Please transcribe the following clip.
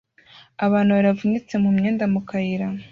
Abantu babiri bapfunyitse mu myenda mu kayira